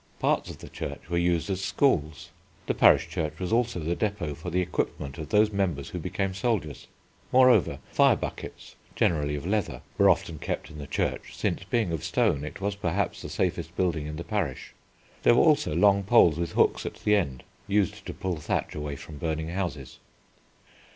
Parts of the church were used as schools. The parish church was also the depôt for the equipment of those members who became soldiers. Moreover, fire buckets (generally of leather) were often kept in the church, since, being of stone, it was perhaps the safest building in the parish. There were also long poles with hooks at the end used to pull thatch away from burning houses.